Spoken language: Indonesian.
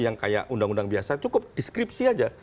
yang kayak undang undang biasa cukup deskripsi aja